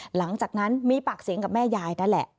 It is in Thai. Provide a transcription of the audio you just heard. หลังจากนั้นมีปากเสียงกับแม่ยายนั่นแหละ